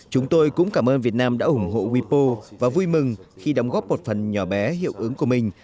chúng tôi cũng cảm ơn việt nam đã ủng hộ wipo và vui mừng khi đóng góp một phần nhỏ bé hiệu ứng của mình